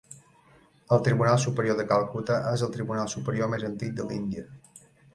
El Tribunal Superior de Calcuta és el tribunal superior més antic de l'Índia.